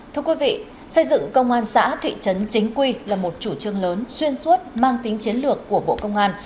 thưa quý vị xây dựng công an xã thị trấn chính quy là một chủ trương lớn xuyên suốt mang tính chiến lược của bộ công an